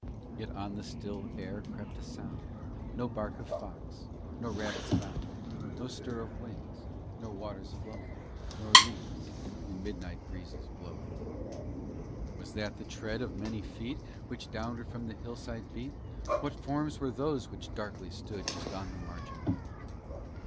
Yet on the still air crept a sound, No bark of fox, nor rabbit's bound, No stir of wings, nor waters flowing, Nor leaves in midnight breezes blowing. Was that the tread of many feet, Which downward from the hillside beat? What forms were those which darkly stood Just on the margin of the wood?